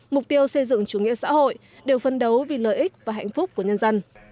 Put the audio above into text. mục tiêu xây dựng chủ nghĩa xã hội đều phân đấu vì lợi ích và hạnh phúc của nhân dân